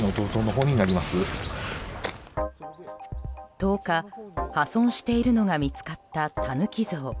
１０日、破損しているのが見つかったタヌキ像。